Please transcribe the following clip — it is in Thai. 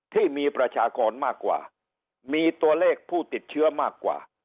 ที่มีประชากรมากกว่ามีตัวเลขผู้ติดเชื้อมากกว่า